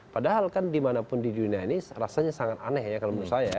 padahal kan dimanapun di dunia ini rasanya sangat aneh ya kalau menurut saya